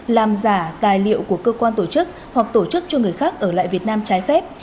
làm giả tài liệu của cơ quan tổ chức hoặc tổ chức cho người khác ở lại việt nam trái phép